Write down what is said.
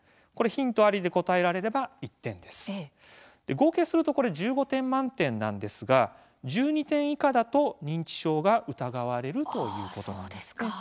合計すると１５点満点なんですが１２点以下だと認知症が疑われるということなんです。